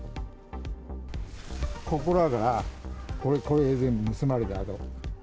ここらが、これ、全部盗まれた跡。